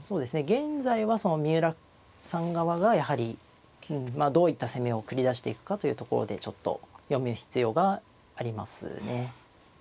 現在はその三浦さん側がやはりどういった攻めを繰り出していくかというところでちょっと読む必要がありますね。